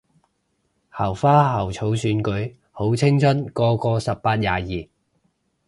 校花校草選舉？好青春個個十八廿二